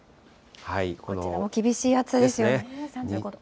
こちらも厳しい暑さですよね、３５度。